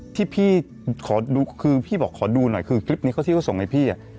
ที่พี่ขอดูคือพี่บอกขอดูหน่อยคือคลิปนี้เขาที่เขาส่งให้พี่